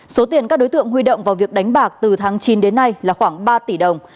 số tiền các đối tượng huy động vào việc đánh bạc từ tháng chín đến nay là khoảng ba tỷ đồng